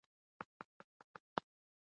د بدن څلور هورمونونه د خوښۍ لپاره مهم دي.